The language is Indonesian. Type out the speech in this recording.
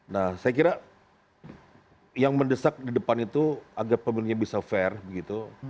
nah saya kira yang mendesak di depan itu agar pemilunya bisa fair begitu